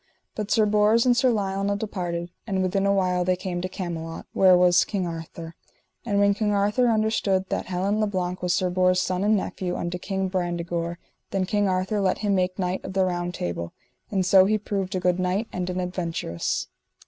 But Sir Bors and Sir Lionel departed, and within a while they came to Camelot, where was King Arthur. And when King Arthur understood that Helin le Blank was Sir Bors' son, and nephew unto King Brandegore, then King Arthur let him make knight of the Round Table; and so he proved a good knight and an adventurous.